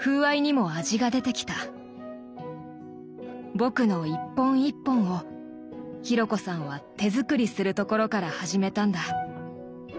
僕の一本一本を紘子さんは手作りするところから始めたんだ。